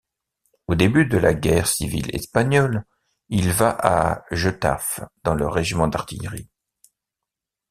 Au début de laguerre civile espagnole, il va à Getafe dans le régiment d'artillerie.